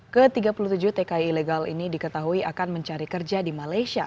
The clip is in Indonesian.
ke tiga puluh tujuh tki ilegal ini diketahui akan mencari kerja di malaysia